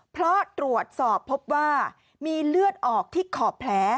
เพราะตรวจสอบพบว่ามีเลือดออกที่ขอบแผล